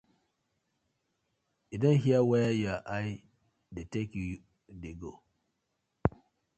Yu don hear where yur eye dey tak you dey go.